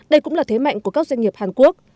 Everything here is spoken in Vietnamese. đây cũng là thế mạnh của các doanh nghiệp hàn quốc